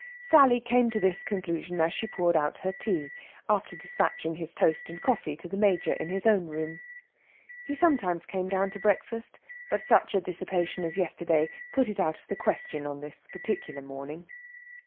Sally came to this conclusion as she poured out her tea, after despatching his toast and coffee to the Major in his own room. He sometimes came down to breakfast, but such a dissipation as yesterday put it out of the question on this particular morning.